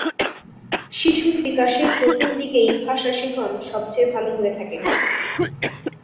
শিশুর বিকাশের প্রথম দিকেই ভাষা শিখন সবচেয়ে ভাল হয়ে থাকে।